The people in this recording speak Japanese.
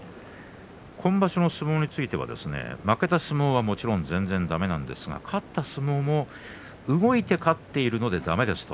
今場所の相撲については負けた相撲、だめなんですが勝った相撲も、動いて勝っているのでだめです。